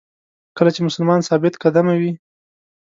کله چې مسلمان ثابت قدمه وي.